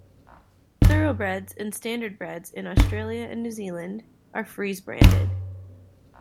Thoroughbreds and Standardbreds in Australia and New Zealand are freeze branded.